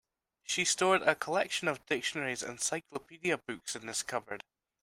She stored a collection of dictionaries and encyclopedia books in this cupboard.